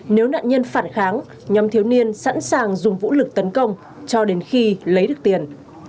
nếu nạn nhân phản kháng nhóm thiếu niên sẵn sàng dùng vũ lực tấn công cho đến khi lấy được tiền